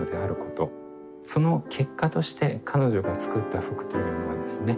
その結果として彼女が作った服というのはですね